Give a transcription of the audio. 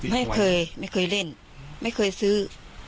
ไม่เคยไม่เคยเล่นไม่เคยซื้อ